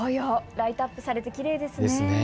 ライトアップされてきれいですね。